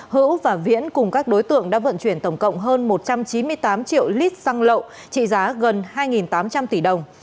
hữu và viễn cùng các đối tượng đã vận chuyển tổng cộng hơn một trăm chín mươi tám triệu lít xăng lậu trị giá gần hai tám trăm linh tỷ đồng